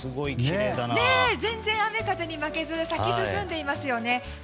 全然雨風に負けず咲き進んでいますよね。